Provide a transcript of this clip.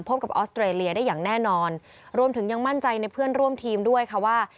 พบกับออสเตรเลียได้อย่างแน่นอนรวมถึงยังมั่นใจในเพื่อนร่วมทีมด้วยค่ะว่า